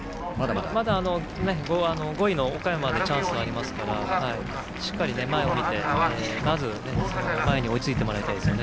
まだ５位の岡山でチャンスはありますからしっかり前を見て、まず前に追いついてもらいたいですね。